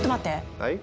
はい？